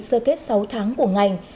sơ kết sáu tháng của ngành